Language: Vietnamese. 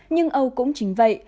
nhưng âu cũng chính vậy